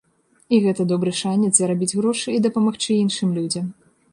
І гэта добры шанец зарабіць грошы і дапамагчы іншым людзям.